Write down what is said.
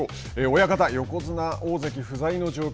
親方、横綱、大関不在の状況。